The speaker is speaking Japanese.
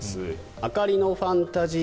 あかりのファンタジー